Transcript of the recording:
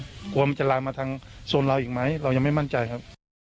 กลัวมันจะไลน์มาทางโซนเราอีกไหมเรายังไม่มั่นใจครับ